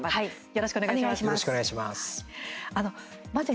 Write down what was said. よろしくお願いします。